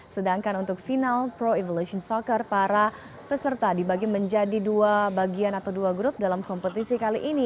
sedangkan untuk final pro evolution soccer para peserta dibagi menjadi dua bagian atau dua grup dalam kompetisi kali ini